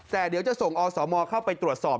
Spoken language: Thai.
แต่เดี๋ยวจะส่งอสมเข้าไปตรวจสอบ